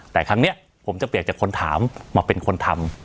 แต่ครั้งนี้ผมจะเปลี่ยนจากคนถามมาเป็นคนทำ